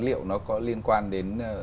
liệu nó có liên quan đến